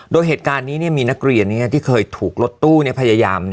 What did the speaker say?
โดยเหตุการณ์นี้มีนักเรียนที่เคยถูกรถตู้พยายาม